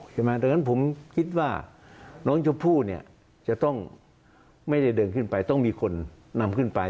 ดังนั้นผมคิดว่าน้องชมพู่เนี่ยจะต้องไม่ได้เดินขึ้นไปต้องมีคนนำขึ้นไป